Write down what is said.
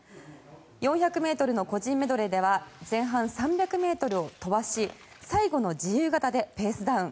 ４００ｍの個人メドレーでは前半３００ｍを飛ばし最後の自由形でペースダウン。